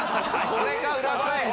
これか裏声作戦。